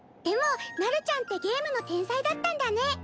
でもなるちゃんってゲームの天才だったんだね。